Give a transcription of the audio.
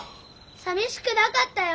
さみしくなかったよ。